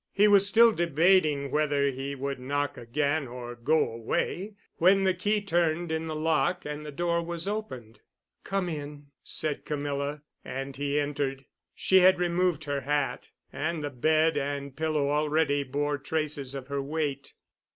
He was still debating whether he would knock again or go away when the key turned in the lock and the door was opened. "Come in," said Camilla, and he entered. She had removed her hat, and the bed and pillow already bore traces of her weight.